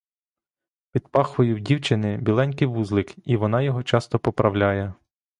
Під пахвою в дівчини біленький вузлик, і вона його часто поправляє.